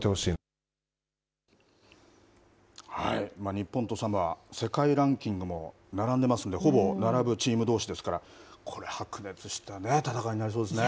日本とサモア世界ランキングも並んでいますのでほぼ並ぶチームどうしですから白熱した戦いになりそうですね。